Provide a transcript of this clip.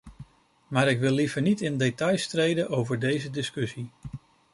Maar ik wil liever niet in details treden over deze discussies.